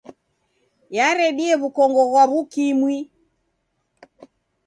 Yaredie w'ukongo ghwa W'ukimwi.